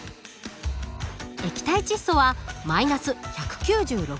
液体窒素は−１９６